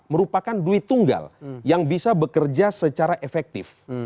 merupakan duit tunggal yang bisa bekerja secara efektif